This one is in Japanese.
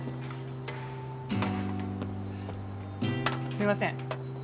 すいません。